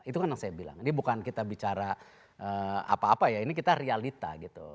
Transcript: itu kan yang saya bilang ini bukan kita bicara apa apa ya ini kita realita gitu